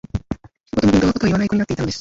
一言も本当の事を言わない子になっていたのです